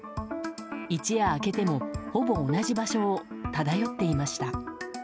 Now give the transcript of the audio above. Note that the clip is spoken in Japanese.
一夜明けてもほぼ同じ場所を漂っていました。